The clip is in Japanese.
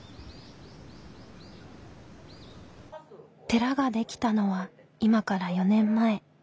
寺ができたのは今から４年前。